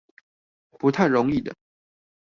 不太容易的